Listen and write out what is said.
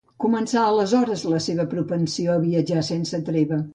Començà aleshores la seva propensió a viatjar sense treva.